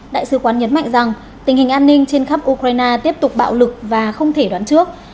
đại sứ quán nhấn mạnh rằng tình hình an ninh trên khắp ukraine tiếp tục bạo lực và không thể đoán trước